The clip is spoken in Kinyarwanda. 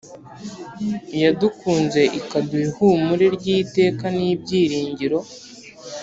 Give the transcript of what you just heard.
iyadukunze ikaduha ihumure ry’iteka n’ibyiringiro